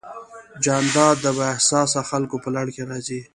جانداد د بااحساسه خلکو په لړ کې راځي.